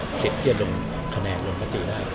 สำเร็จที่จะลงคะแนนลงประติได้